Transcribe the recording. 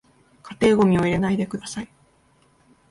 家庭ゴミを入れないでください